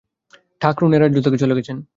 ঠাকরুন এ রাজ্য থেকে চলে গেছেন।